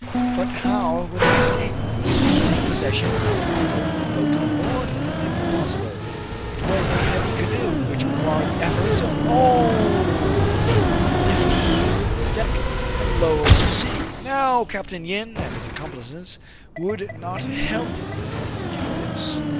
But how would they escape t Take possession of the only boat on board ? Impossible ! It was a heavy canoe, which required the efforts of all the crew to lift from the deck, and lower to the sea. CRAIG AND FRY VISIT THE HOLD. 213 Now Capt. Yin and his accomplices would not help them do this.